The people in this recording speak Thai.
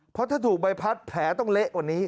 เพราะถ้าถูกใบพัดแผลต้องเละกว่านี้